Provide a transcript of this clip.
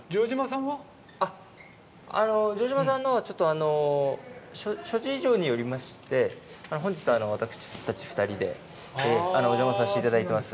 あっあの城島さんのほうはちょっと諸事情によりまして本日私たち２人でお邪魔させていただいてます。